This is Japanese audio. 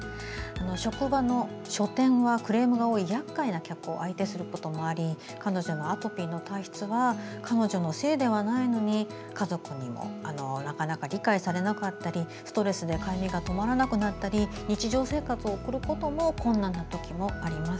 職場の書店は、クレームが多いやっかいな客を相手することもあり彼女のアトピーの体質は彼女のせいではないのに家族にも、なかなか理解されなかったりストレスで、かゆみが止まらなくなったり日常生活を送ることも困難なときもあります。